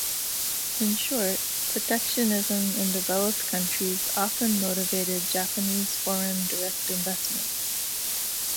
In short, protectionism in developed countries often motivated Japanese foreign direct investment.